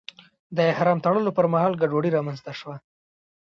د احرام تړلو پر مهال ګډوډي رامنځته شوه.